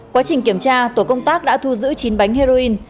quá trình kiểm tra tổ công tác đã thu giữ chín bánh heroin